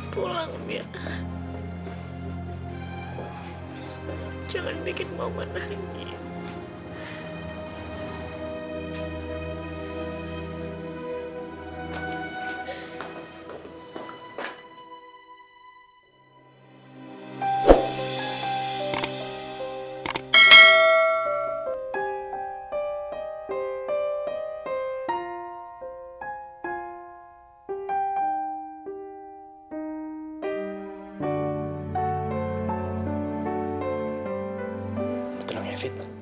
sampai jumpa di video selanjutnya